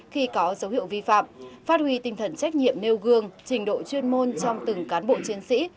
khi có dấu hiệu vi phạm phát huy tinh thần trách nhiệm nêu gương trình độ chuyên môn trong từng cán bộ chiến sĩ